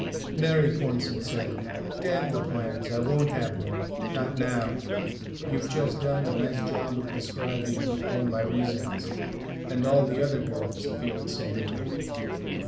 Mary Pornsen said, "Damn the plans. I won't have one. Not now. You've just done a nice job of describing all my reasons. And all the other girls feel the same way."